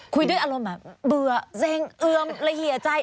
คุยด้วยอารมณ์แบบเบื่อเซ็งเอือมระเหยียใจ